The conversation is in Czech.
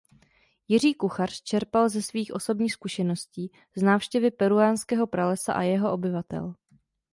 Jiří Kuchař čerpal ze svých osobních zkušeností z návštěvy peruánského pralesa a jeho obyvatel.